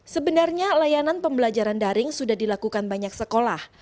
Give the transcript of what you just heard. sebenarnya layanan pembelajaran daring sudah dilakukan banyak sekolah